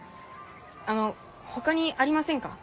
あの他にありませんか？